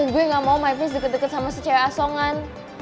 gue gak mau my prince deket deket sama si cea asongan